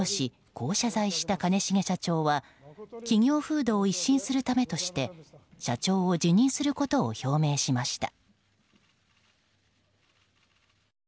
こう謝罪した兼重社長は企業風土を一新するためとして社長を辞任することを表明しました。